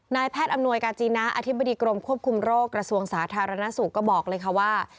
นายแพทย์อำนวยกาจีณะอธิบดีกรมควบคุมโรคกระทรวงสาธารณสุขก็บอกเลยค่ะว่า